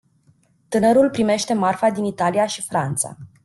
Tânărul primește marfa din Italia și Franța.